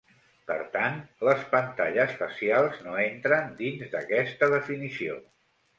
Per tant, les pantalles facials no entren dins d’aquesta definició.